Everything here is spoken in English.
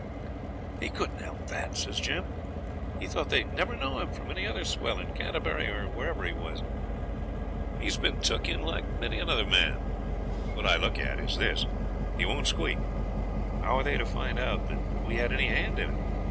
'He couldn't help that,' says Jim; 'he thought they'd never know him from any other swell in Canterbury or wherever he was. He's been took in like many another man. What I look at is this: he won't squeak. How are they to find out that we had any hand in it?'